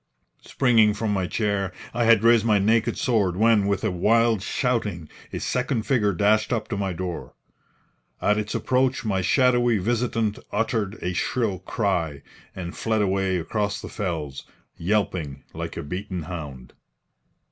Springing from my chair, I had raised my naked sword, when, with a wild shouting, a second figure dashed up to my door. At its approach my shadowy visitant uttered a shrill cry, and fled away across the fells, yelping like a beaten hound.